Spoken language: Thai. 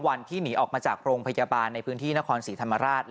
วันที่หนีออกมาจากโรงพยาบาลในพื้นที่นครศรีธรรมราช